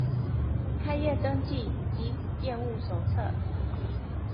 開業登記及業務手冊